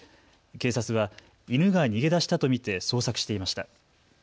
警察は犬が逃げ出したと見て捜索していました。